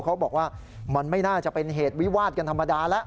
เขาบอกว่ามันไม่น่าจะเป็นเหตุวิวาดกันธรรมดาแล้ว